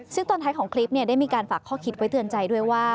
ซึ่งตอนท้ายของคลิปได้มีการฝากข้อคิดไว้เตือนใจด้วยว่า